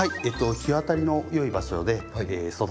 日当たりのよい場所で育てて下さい。